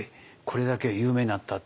これだけ有名になった」。